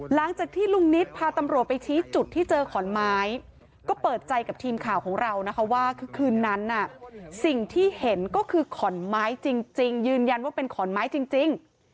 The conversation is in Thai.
หลังจากที่ลุงนิตพาตำรวจไปชี้จุดที่เจอขอนไม้ก็เปิดใจกับทีมข่าวของเรานะคะว่าคือคืนนั้นสิ่งที่เห็นก็คือขอนไม้จริงยืนยันว่าเป็นขอนไม้จริง